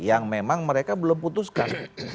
yang memang mereka belum putuskan